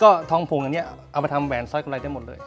ก็ทองผงอันนี้เอาไปทำแหวนสร้อยกำไรได้หมดเลย